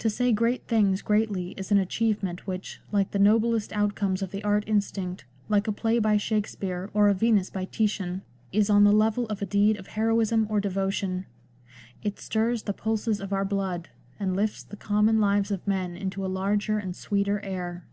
To say great things greatly is an achievement which, like the noblest outcomes of the art instinct, like a play by Shakspere, or a Venus by Titian, is on the level of a deed of heroism or devotion. It stirs the pulses of our blood, and lifts the common lives of men into a larger and sweeter air.